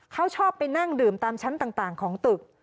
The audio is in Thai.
เขาชอบไปนั่งดื่มตามชั้นต่างของตึก